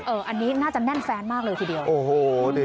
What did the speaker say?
เอออันนี้น่าจะแน่นแฟนมากเลยทีเดียว